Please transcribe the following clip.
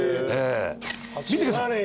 見てください